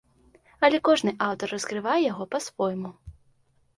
Але кожны аўтар раскрывае яго па-свойму.